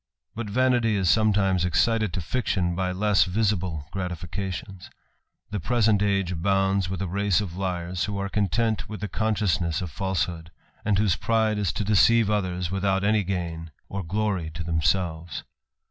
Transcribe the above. But vanity is sometimes excited to fiction by less visible gratifications : the present age abounds with a race of liars who are content with the consciousness of falsehood, and whose pride is to deceive others without any gain 220 THE ADVENTURER. or glory to themselves.